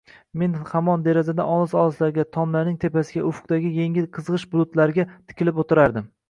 Men hamon derazadan olis-olislarga, tomlarning tepasiga, ufqdagi yengil qizgʻish bulutlarga tikilib oʻtirardim